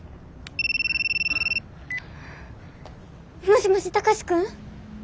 もしもし貴司君！？